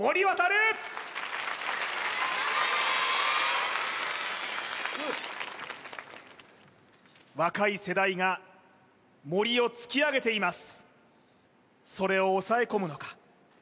頑張れ若い世代が森を突き上げていますそれを抑え込むのか